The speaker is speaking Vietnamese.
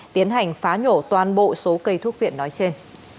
tiến hành phá nhổ toàn bộ số cây thuốc viện nói trên